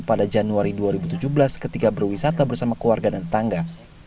pada januari dua ribu tujuh belas ketika berwisata bersama keluarga dan tetangga